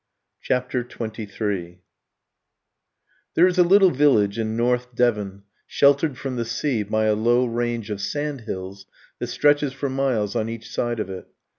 CHAPTER XXIII There is a little village in North Devon, sheltered from the sea by a low range of sand hills that stretches for miles on each side of it.